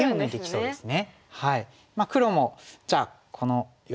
そうですね